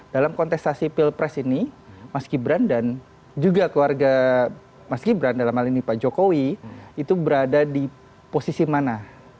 dalam kontestasi pilpres ini mas gibran dan juga keluarga mas gibran dalam hal ini pak jokowi itu berada di posisi mana